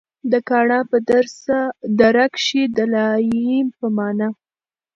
د کاڼا پۀ دره کښې د “دلائي” پۀ نامه